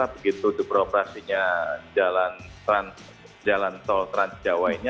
begitu depropasinya jalan tol transjawa ini